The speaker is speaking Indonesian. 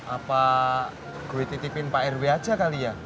apa gue dititipin pak rw aja kali ya